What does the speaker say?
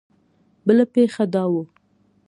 بله پېښه دا وه.